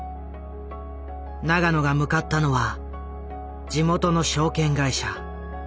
永野が向かったのは地元の証券会社。